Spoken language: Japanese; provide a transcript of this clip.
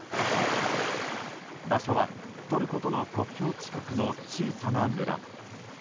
場所はトルコとの国境近くの小さな村。